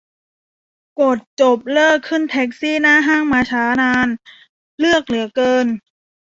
กด จบ เลิกขึ้นแท็กซี่หน้าห้างมาช้านาน เลือกเหลือเกิน